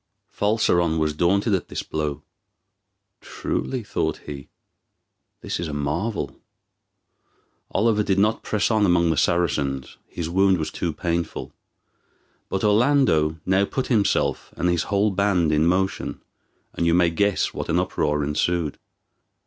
Falseron was daunted at this blow. "Truly," thought he, "this is a marvel." Oliver did not press on among the Saracens, his wound was too painful; but Orlando now put himself and his whole band in motion, and you may guess what an uproar ensued.